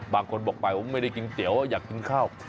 บางคนบอกไปว่าไม่ได้กินเตี๋ยวอยากกินข้าว